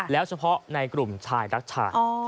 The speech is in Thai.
แล้วเฉพาะในกลุ่มชายรักชาย